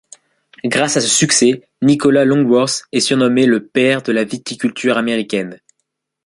Grâce à ce succès, Nicholas Longworth est surnommé le Père de la viticulture américaine.